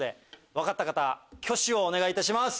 分かった方挙手をお願いします。